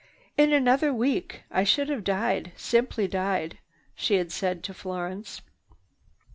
"In another week I should have died—simply died," she had said to Florence.